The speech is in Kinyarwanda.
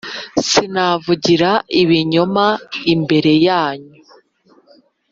Sinavugira ibinyoma imbere yanyu